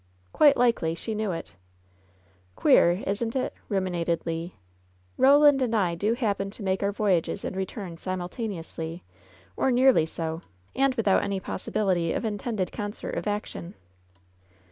"Quite likely. She knew it." "Queer, isn't it ?" ruminated Le. '^Roland and I do LOVERS BITTEREST CUP 71 happen to make our voyages and returns simultaneously, or nearly so, and without any possibility of intended concert of action."